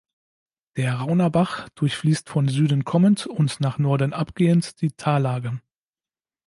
Der Rauner Bach durchfließt von Süden kommend und nach Norden abgehend die Tallage.